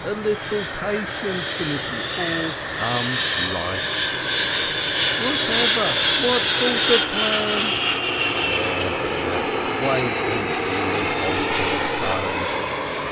.. A little patience, and it will all come right !" "Whatever? What sort of plan?" "There, there, wait and see and hold your tongue!